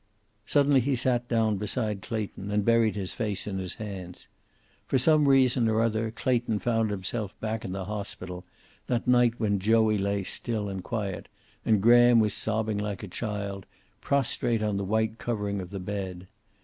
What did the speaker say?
Suddenly he sat down beside Clayton and buried his face in his hands. For some reason or other Clayton found himself back in the hospital, that night when Joey lay still and quiet, and Graham was sobbing like a child, prostrate on the white covering of the bed.